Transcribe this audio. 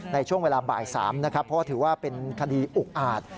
ในช่วงเวลาบ่าย๓นะครับเพราะถือว่าเป็นคดีอุกอาจ